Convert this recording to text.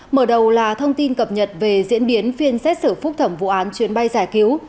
mở đầu là thông tin cập nhật về diễn biến phiên xét xử phúc thẩm vụ án chuyến bay giải cứu